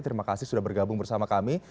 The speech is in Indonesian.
terima kasih sudah bergabung bersama kami